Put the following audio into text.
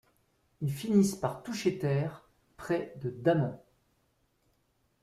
Ils finissent par toucher terre près de Daman.